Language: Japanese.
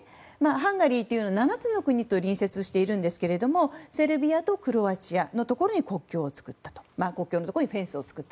ハンガリーというのは７つの国と隣接してるんですがセルビア、クロアチアの国境のところにフェンスを作った。